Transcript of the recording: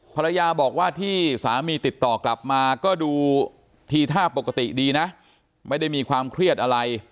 ภรรยาบอกว่าที่สามีติดต่อกลับมาก็ดูทีท่าปกติดีนะไม่ได้มีความเครียดอะไร